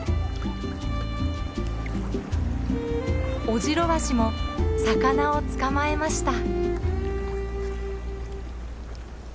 オジロワシも魚を捕まえました。